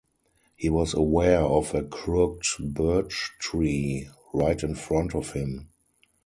He was aware of a crooked birch tree right in front of him.